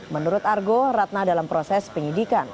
menurut argo ratna dalam proses penyidikan